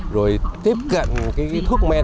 rồi tiếp cận thuốc men